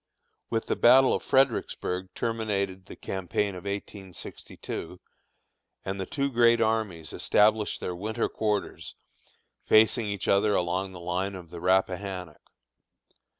With the battle of Fredericksburg terminated the campaign of 1862, and the two great armies established their winter quarters facing each other along the line of the Rappahannock.